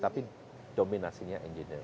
tapi dominasinya engineer